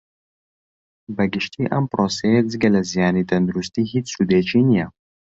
بە گشتی ئەم پڕۆسەیە جگە لە زیانی تەندروستی ھیچ سودێکی نییە